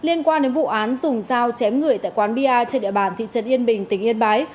liên quan đến vụ án dùng dao chém người tại quán bia trên địa bàn thị trấn yên bình tỉnh yên bái